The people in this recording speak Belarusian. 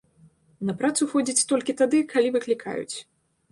На працу ходзіць толькі тады, калі выклікаюць.